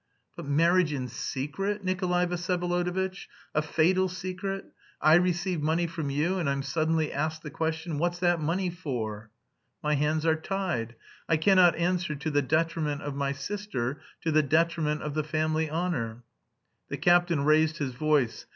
"But marriage in secret, Nikolay Vsyevolodovitch a fatal secret. I receive money from you, and I'm suddenly asked the question, 'What's that money for?' My hands are tied; I cannot answer to the detriment of my sister, to the detriment of the family honour." The captain raised his voice.